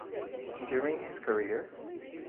During his career.